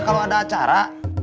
kalau ada acara